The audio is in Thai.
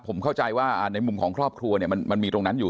ผมเข้าใจว่าในมุมของครอบครัวเนี่ยมันมีตรงนั้นอยู่